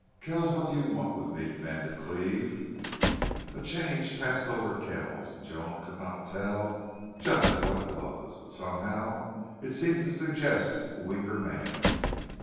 "Kells, what do you want with me?" demanded Cleve. A change passed over Kells, and Joan could not tell just what it was, but somehow it seemed to suggest a weaker man.